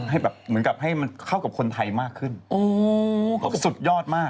ให้แบบเหมือนกับให้มันเข้ากับคนไทยมากขึ้นสุดยอดมาก